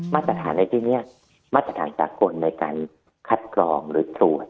มาตรฐานในที่นี้มาตรฐานสากลในการคัดกรองหรือตรวจ